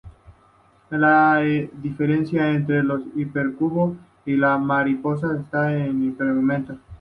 La diferencia entre el hipercubo y la mariposa está en su implementación.